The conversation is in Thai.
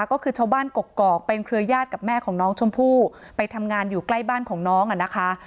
ก็คือชาวบ้านกกอกเป็นเครือญาติกับแม่ของน้องชมพู่ไปทำงานอยู่ใกล้บ้านของน้องอ่ะนะคะ